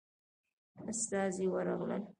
استازي ورغلل.